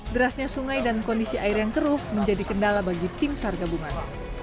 derasnya sungai dan kondisi air yang keruh menjadi kendala bagi tim sar gabungan